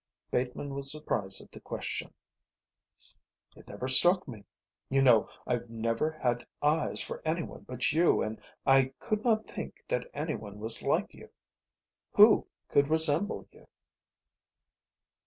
Bateman was surprised at the question. "It never struck me. You know I've never had eyes for anyone but you and I could never think that anyone was like you. Who could resemble you?"